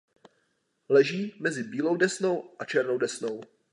Leží mezi Bílou Desnou a Černou Desnou.